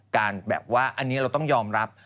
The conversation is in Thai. แบบว่าอันนี้เราต้องยอมรับ